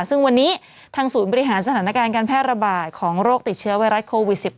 ซึ่งวันนี้ทางศูนย์บริหารสถานการณ์การแพร่ระบาดของโรคติดเชื้อไวรัสโควิด๑๙